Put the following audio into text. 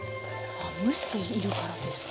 蒸しているからですか？